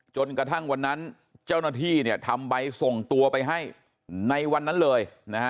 จนกระทั่งวันนั้นเจ้าหน้าที่ทำใบส่งตัวไปให้ในวันนั้นเลยนะฮะ